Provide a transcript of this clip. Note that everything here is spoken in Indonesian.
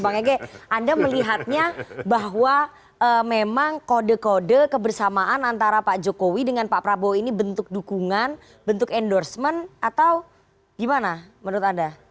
bang ege anda melihatnya bahwa memang kode kode kebersamaan antara pak jokowi dengan pak prabowo ini bentuk dukungan bentuk endorsement atau gimana menurut anda